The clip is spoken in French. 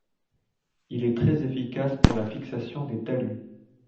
Il est très efficace pour la fixation des talus.